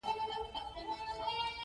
د را ولاړ شوي ګرد او د قهوې بوی.